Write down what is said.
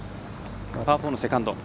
パー４のセカンド。